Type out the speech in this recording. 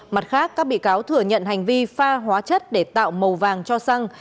mặt khác các bị cáo thừa nhận hành vi pha hóa chất để tạo màu vàng cho xăng